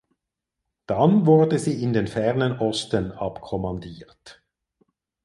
Dann wurde sie in den Fernen Osten abkommandiert.